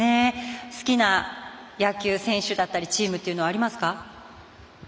好きな野球選手だったりチームっていうのはありますか？